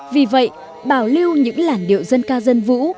vì vậy bảo lưu những làn điệu dân ca dân vũ